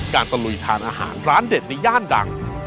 ตะลุยทานอาหารร้านเด็ดในย่านดัง